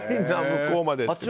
向こうまでって。